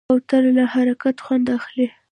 کوتره له حرکته خوند اخلي.